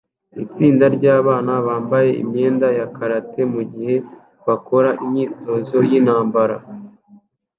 Itsinda ryabana bambaye imyenda ya karate mugihe bakora imyitozo yintambara